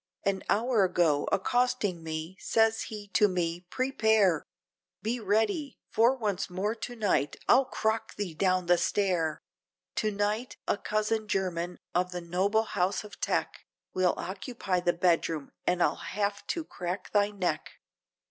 An hour ago, accosting me, says he to me, "Prepare! Be ready! for once more to night, I'll crock thee down the stair! To night, a cousin German of the noble house of Teck Will occupy the bedroom, and I'll have to crack thy neck!"